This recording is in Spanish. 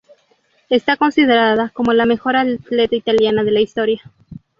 Está considerada como la mejor atleta italiana de la historia.